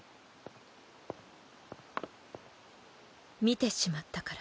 見てしまったから。